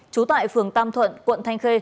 trú tại phường tam thuận quận thanh khê